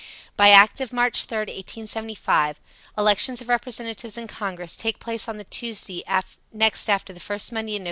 By act of March 3, 1875, elections of Representatives in Congress take place on the Tuesday next after the first Monday in Nov.